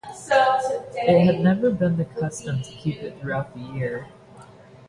It had never been the custom to keep it throughout the year.